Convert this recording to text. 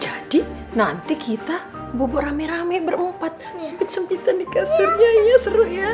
jadi nanti kita bobo rame rame bermopat sepit sepitan di kasurnya ya seru ya